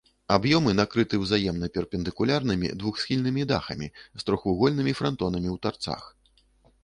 Аб'ёмы накрыты ўзаемна перпендыкулярнымі двухсхільнымі дахамі з трохвугольнымі франтонамі ў тарцах.